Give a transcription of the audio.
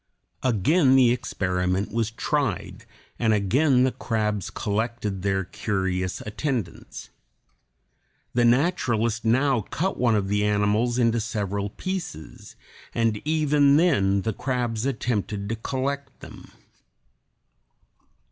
Again the experiment was tried, and again the crabs collected their curious attendants. The naturalist now cut one of the animals into several pieces, and even then the crabs attempted to collect them.